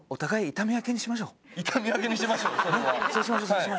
痛み分けにしましょうそれは。